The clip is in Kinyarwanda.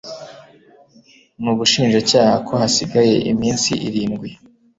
n ubushinjacyaha ko hasigaye iminsi irindwi